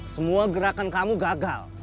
semua gerakan kamu gagal